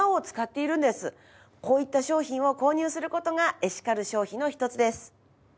こういった商品を購入する事がエシカル消費の一つです。